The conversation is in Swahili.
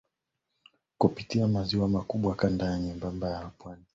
kupitia maziwa makubwa Kanda nyembamba la pwani